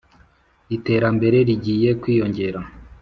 iterambere rigiye kwiyongera”